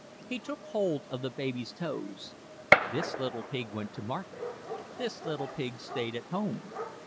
He took hold of the baby's toes. "This little pig went to market, this little pig stayed at home."